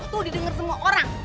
tuh didengar semua orang